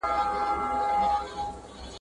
ځکه ورته د زړه له کومي